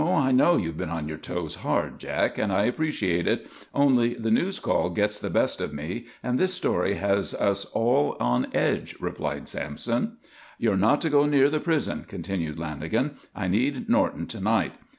I know you've been on your toes hard, Jack, and I appreciate it. Only the news call gets the best of me and this story has us all on edge," replied Sampson. "You're not to go near the prison," continued Lanagan. "I need Norton to night.